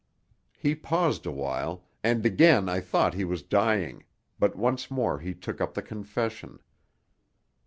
He paused a while, and again I thought he was dying, but once more he took up the confession.